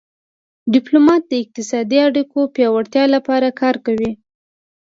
ډیپلومات د اقتصادي اړیکو پیاوړتیا لپاره کار کوي